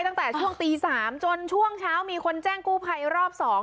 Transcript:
ตั้งแต่ช่วงตี๓จนช่วงเช้ามีคนแจ้งกู้ภัยรอบ๒